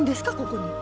ここに。